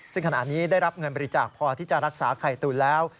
ซึ่งขณะนี้ได้รับเงินบริจาคพอที่จะรักษาไข่ตุ๋นแล้ว